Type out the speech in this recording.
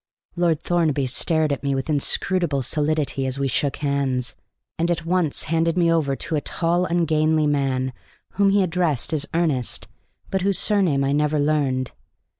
Lord Thornaby stared at me with inscrutable stolidity as we shook hands, and at once handed me over to a tall, ungainly man whom he addressed as Ernest, but whose surname I never learned.